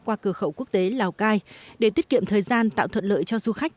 qua cửa khẩu quốc tế lào cai để tiết kiệm thời gian tạo thuận lợi cho du khách